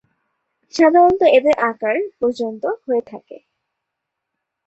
সাধারণত এদের আকার পর্যন্ত হয়ে থাকে।